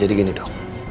jadi gini dok